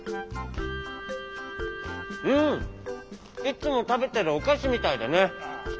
いつもたべてるおかしみたいだね。